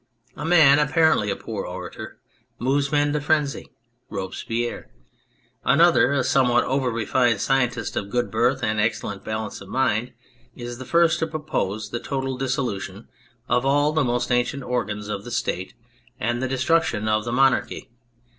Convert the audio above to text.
A man (apparently a poor orator) moves men to frenzy Robespierre. Another, a somewhat over refined scientist of good birth and excellent balance of mind, is the first to propose the total dissolution of all the most ancient organs of the State and the destruction of the Monarchy.